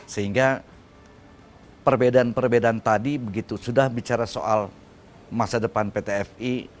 sehingga perbedaan perbedaan tadi begitu sudah bicara soal masa depan pt fi